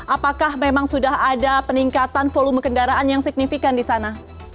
apakah memang sudah ada peningkatan volume kendaraan yang signifikan di sana